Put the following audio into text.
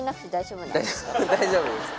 大丈夫です。